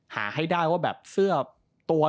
หาให้ได้ว่าแบบเสื้อตัว